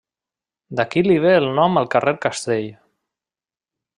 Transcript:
D'aquí li ve el nom al carrer Castell.